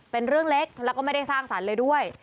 เป็นเรื่องเล็กแล้วก็ไม่ได้สร้างสรรค์เลยด้วย